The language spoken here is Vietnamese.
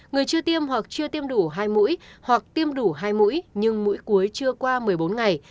người chưa tiêm hoặc chưa tiêm đủ hai mũi hoặc tiêm đủ hai mũi nhưng mũi cuối chưa qua một mươi bốn ngày